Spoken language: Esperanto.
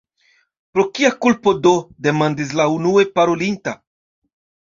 "Pro kia kulpo do?" demandis la unue parolinta.